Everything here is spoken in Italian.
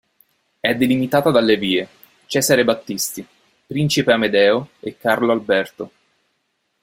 È delimitata dalle vie: Cesare Battisti, Principe Amedeo e Carlo Alberto.